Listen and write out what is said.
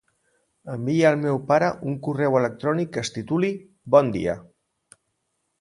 Envia al meu pare un correu electrònic que es tituli "bon dia".